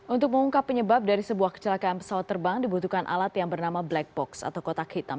untuk mengungkap penyebab dari sebuah kecelakaan pesawat terbang dibutuhkan alat yang bernama black box atau kotak hitam